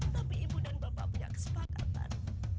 tapi ibu dan bapak punya kesepakatan